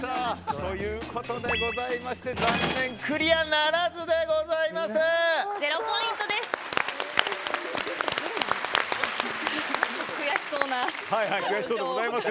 ということでございまして残念クリアならずでございました。